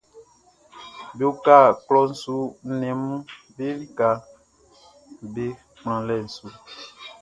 Be uka klɔʼn su nnɛnʼm be likaʼm be kplanlɛʼn su.